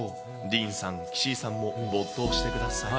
ディーンさん、岸井さんも没頭してください。